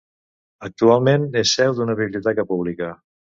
Actualment és seu d'una biblioteca pública.